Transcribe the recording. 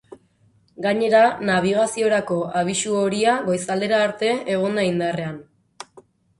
Gainera, nabigaziorako abisu horia goizaldera arte egon da indarrean.